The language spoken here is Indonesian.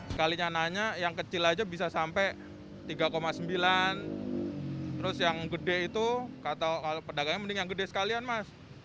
sekalinya nanya yang kecil aja bisa sampai tiga sembilan terus yang gede itu kalau pedagangnya mending yang gede sekalian mas